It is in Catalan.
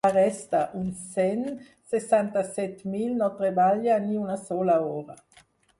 La resta, uns cent setanta-set mil, no treballa ni una sola hora.